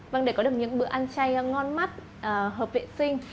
vâng để có được những bữa ăn chay ngon mắt hợp vệ sinh